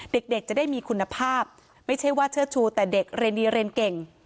เด็กจะได้มีคุณภาพไม่ใช่ว่าเชิดชูแต่เด็กเรียนดีเรียนเก่ง